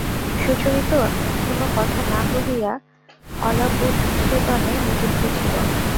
সুচরিতা কোনো কথা না কহিয়া অলাবুচ্ছেদনে নিযুক্ত ছিল।